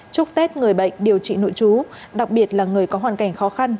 chúc tết người bệnh điều trị nội chú đặc biệt là người có hoàn cảnh khó khăn